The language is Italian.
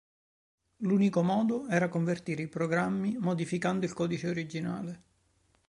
L'unico modo era convertire i programmi modificando il codice originale.